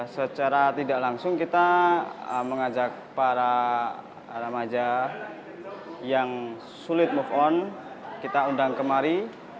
secara tidak langsung kita mengajak para remaja yang sulit move on kita undang kemari